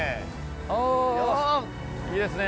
おいいですね。